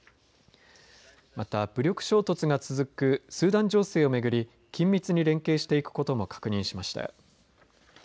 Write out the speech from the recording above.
また、武力衝突が続くスーダン情勢を巡り緊密に連携していくことも確認しました。